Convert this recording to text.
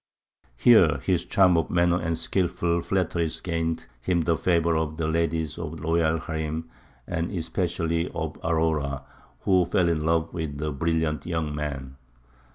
Here his charm of manner and skilful flatteries gained him the favour of the ladies of the royal harīm, and especially of Aurora, who fell in love with the brilliant young man.